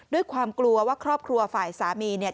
ด้วยความกลัวว่าครอบครัวฝ่ายสามีเนี่ย